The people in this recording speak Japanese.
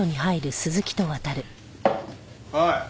おい！